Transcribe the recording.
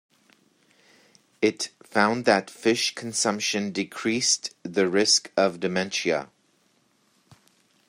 It found that fish consumption decreased the risk of dementia.